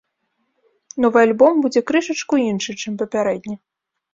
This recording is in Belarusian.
Новы альбом будзе крышачку іншы, чым папярэдні.